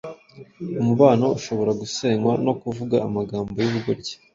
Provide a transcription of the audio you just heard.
umubano ushobora gusenywa no kuvuga amagambo y’ubugoryi,